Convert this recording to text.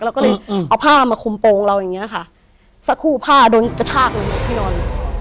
เราก็เลยเอาผ้ามาคุมโปรงเราอย่างเงี้ยค่ะสักครู่ผ้าโดนกระชากลงที่นอน